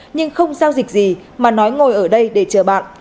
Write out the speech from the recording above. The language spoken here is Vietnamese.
nhưng không giao dịch gì mà nói ngồi ở đây để chờ bạn